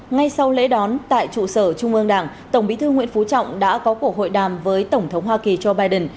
ngay sau lễ đón tại trụ sở trung ương đảng tổng bí thư nguyễn phú trọng đã có cuộc hội đàm với tổng thống hoa kỳ joe biden